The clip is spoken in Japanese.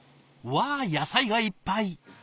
わあ野菜がいっぱい。